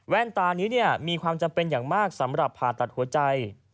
ตานี้มีความจำเป็นอย่างมากสำหรับผ่าตัดหัวใจ